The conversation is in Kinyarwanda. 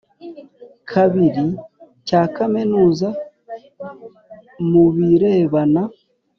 Kabiri cya kaminuza mu birebana